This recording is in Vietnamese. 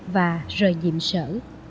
và rời diệm sở